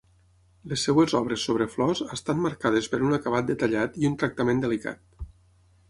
Les seves obres sobre flors estan marcades per un acabat detallat i un tractament delicat.